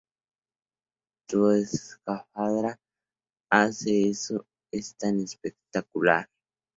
Tu escafandra hace eso... Eso tan espectacular.